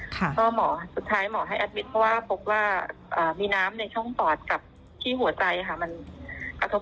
คนทะเลาะกันลิ้นน่าก็ออกมาที่ระเบียน